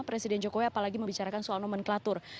presiden jokowi apalagi membicarakan soal nomenklatur